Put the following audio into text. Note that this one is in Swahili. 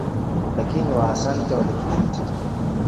Lakini Waasante walikificha.